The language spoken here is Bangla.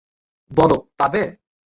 বলো, পাবে?